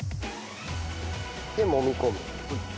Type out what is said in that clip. でもみ込む。